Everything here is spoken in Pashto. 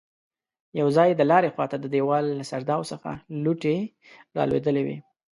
يو ځای د لارې خواته د دېوال له سرداو څخه لوټې رالوېدلې وې.